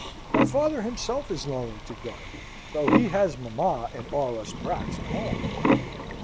My father himself is longing to go, though he has mamma and all us brats at home.